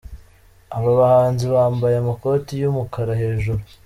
Aba bahanzi bambaye amakoti y’umukara hejuru.